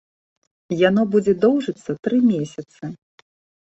Яно будзе доўжыцца тры месяцы.